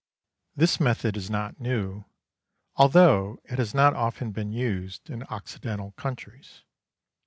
This method is not new, although it has not often been used in Occidental countries.